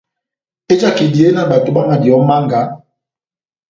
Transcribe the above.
Ejaka ehidiye na bato bámadiyɛ ó manga,